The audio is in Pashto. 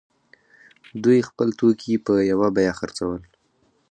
دوی خپل توکي په یوه بیه خرڅول.